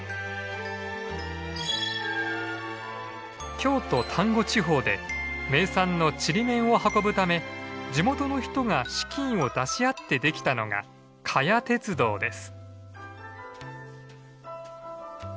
京都丹後地方で名産のちりめんを運ぶため地元の人が資金を出し合ってできたのが加悦鉄道です。